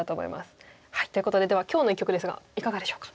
ということででは今日の一局ですがいかがでしょうか？